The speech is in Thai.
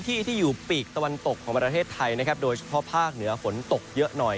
ที่สามารถรายชาวแย่